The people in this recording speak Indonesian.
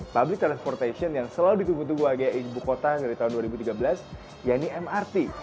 public transportation yang selalu ditunggu tunggu agak ibu kota dari tahun dua ribu tiga belas yaitu mrt